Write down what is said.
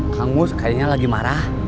kang kamu sepertinya lagi marah